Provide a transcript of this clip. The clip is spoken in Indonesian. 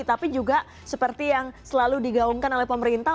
tapi juga seperti yang selalu digaungkan oleh pemerintah